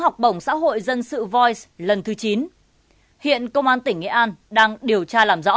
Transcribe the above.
học bổng xã hội dân sự voice lần thứ chín hiện công an tỉnh nghệ an đang điều tra làm rõ